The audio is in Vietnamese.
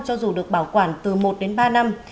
cho dù được bảo quản từ một đến ba năm